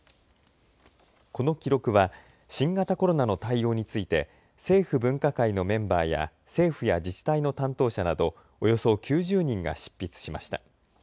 この記録は新型コロナの対応について政府分科会のメンバーや政府や自治体の担当者などおよそ９０人が執筆しました。